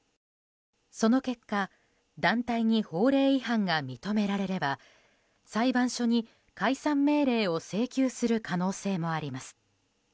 その結果、団体に法令違反が認められれば裁判所に解散命令を請求する可能性もあります。